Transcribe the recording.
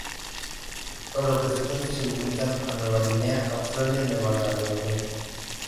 Los representantes se limitan a Nueva Guinea, Australia y Nueva Caledonia.